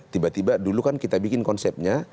tiba tiba dulu kan kita bikin konsepnya